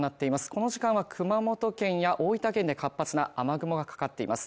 この時間は熊本県や大分県で活発な雨雲がかかっています。